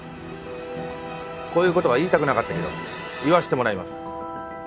こういうことは言いたくなかったけど言わせてもらいます。